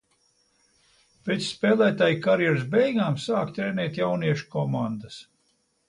Pēc spēlētāja karjeras beigām sāka trenēt jauniešu komandas.